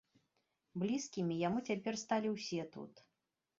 Блізкімі яму цяпер сталі ўсе тут.